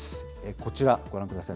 こちら、ご覧ください。